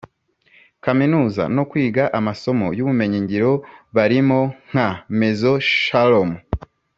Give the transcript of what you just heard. kaminuza no kwiga amasomo y ubumenyingiro barimo nka Maison Shalom